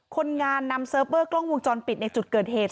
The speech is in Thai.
คนงานนำเซิร์ฟเวอร์กล้องวงจรปิดในจุดเกิดเหตุ